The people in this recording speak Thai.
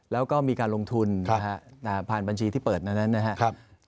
แล้วก็มีการลงทุนผ่านบัญชีที่เปิดนั้นนะครับ